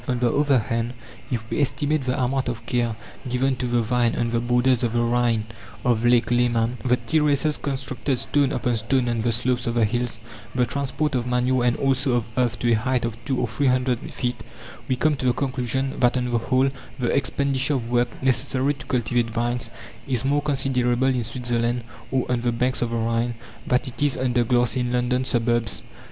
On the other hand, if we estimate the amount of care given to the vine on the borders of the Rhine of Lake Leman, the terraces constructed stone upon stone on the slopes of the hills, the transport of manure and also of earth to a height of two or three hundred feet, we come to the conclusion that on the whole the expenditure of work necessary to cultivate vines is more considerable in Switzerland or on the banks of the Rhine than it is under glass in London suburbs.